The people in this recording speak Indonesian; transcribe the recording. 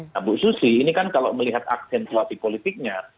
nah bu susi ini kan kalau melihat aksensuasi politiknya